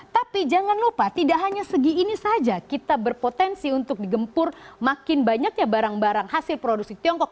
tapi jangan lupa tidak hanya segi ini saja kita berpotensi untuk digempur makin banyaknya barang barang hasil produksi tiongkok